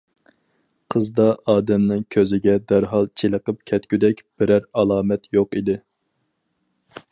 قىزدا ئادەمنىڭ كۆزىگە دەرھال چېلىقىپ كەتكۈدەك بىرەر ئالامەت يوق ئىدى.